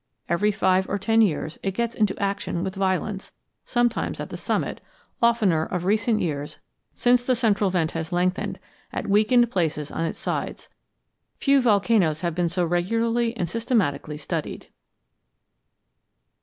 Every five or ten years it gets into action with violence, sometimes at the summit, oftener of recent years since the central vent has lengthened, at weakened places on its sides. Few volcanoes have been so regularly and systematically studied.